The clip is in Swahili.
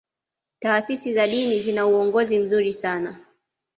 taasisi za dini zina uongozi mzuri sana